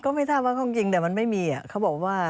ไม่ทราบว่าของจริงแต่มันไม่มีเขาบอกว่า